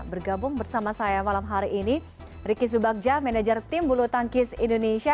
bergabung bersama saya malam hari ini riki subagja manajer tim bulu tangkis indonesia